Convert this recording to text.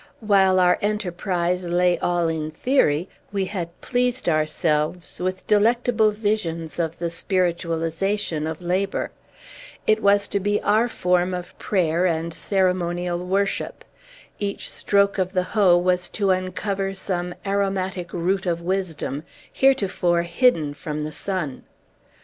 While our enterprise lay all in theory, we had pleased ourselves with delectable visions of the spiritualization of labor. It was to be our form of prayer and ceremonial of worship. Each stroke of the hoe was to uncover some aromatic root of wisdom, heretofore hidden from the sun.